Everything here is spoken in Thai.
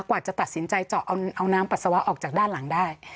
กว่าจะตัดสินใจเจาะเอาน้ำปัสสาวะออกจากด้านหลังได้